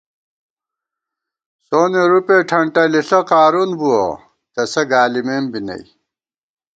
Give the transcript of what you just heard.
سونے رُپے ٹھنٹَلِݪہ قارُون بُوَہ، تسہ گالِمېم بی نئی